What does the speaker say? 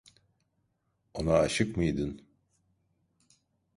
Ona aşık mıydın?